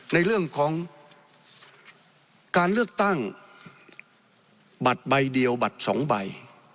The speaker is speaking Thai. ในเรื่องของการเลือกตั้งบัตรใบเดียวบัตร๒ใบ